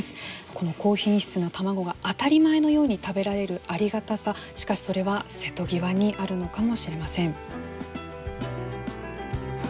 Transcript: この高品質な卵が当たり前のように食べられるありがたさ、しかし、それは瀬戸際にあるのかもしれません。